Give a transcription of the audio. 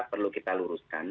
perlu kita luruskan